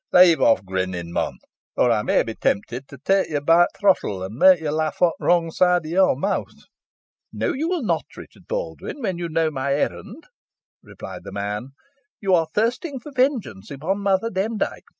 "Leave off grinnin, mon," he said, fiercely, "or ey may be tempted to tay yo be t' throttle, an may yo laugh o't wrong side o' your mouth." "No, no, you will not, Richard Baldwyn, when you know my errand," replied the man. "You are thirsting for vengeance upon Mother Demdike.